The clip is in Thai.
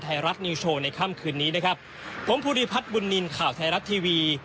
ไทยรัฐนิวโชว์ในค่ำคืนนี้นะครับผมภูริพัฒน์บุญนินทร์ข่าวไทยรัฐทีวี